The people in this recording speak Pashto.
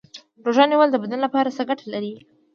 روژه نیول د بدن لپاره څه ګټه لري